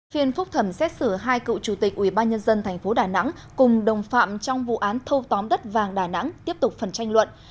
phiên phúc thẩm xét xử hai cựu chủ tịch ubnd tp đà nẵng cùng đồng phạm trong vụ án thâu tóm đất vàng đà nẵng tiếp tục phần tranh luận